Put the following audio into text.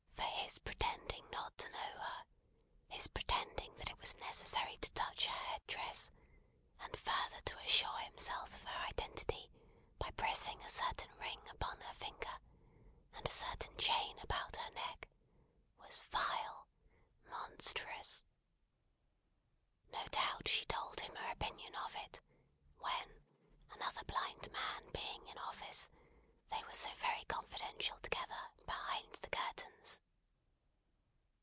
For his pretending not to know her; his pretending that it was necessary to touch her head dress, and further to assure himself of her identity by pressing a certain ring upon her finger, and a certain chain about her neck; was vile, monstrous! No doubt she told him her opinion of it, when, another blind man being in office, they were so very confidential together, behind the curtains.